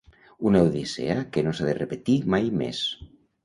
Una odissea que no s’ha de repetir mai més